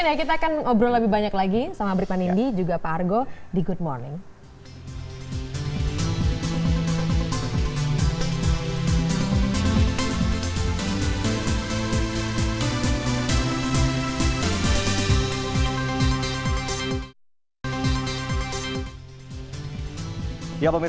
wah kira kira mau ubah profesi gak nih